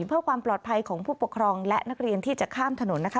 เพื่อความปลอดภัยของผู้ปกครองและนักเรียนที่จะข้ามถนนนะคะ